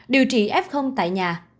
điều trị f tại nhà